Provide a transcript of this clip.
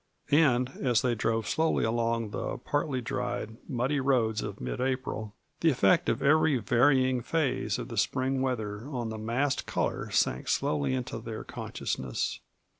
And as they drove slowly along the partly dried, muddy roads of mid April the effect of every varying phase of the spring weather on the massed color sank slowly into their consciousness.